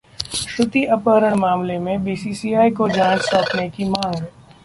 श्रुति अपहरण मामले में सीबीआई को जांच सौंपने की मांग